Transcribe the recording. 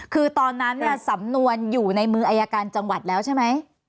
คือตอนนั้นเนี่ยสำนวนอยู่ในมืออายการจังหวัดแล้วใช่ไหม